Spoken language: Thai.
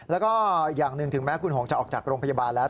แล้วก็อย่างหนึ่งถึงแม้คุณหงจะออกจากโรงพยาบาลแล้ว